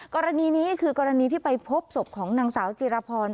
กรณีนี้คือกรณีที่ไปพบศพของนางสาวจิรพร